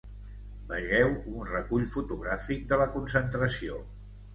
Vegeu un recull fotogràfic de la concentració.